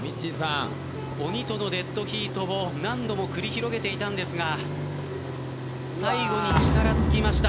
鬼とのデッドヒートを何度も繰り広げていたんですが最後に力尽きました。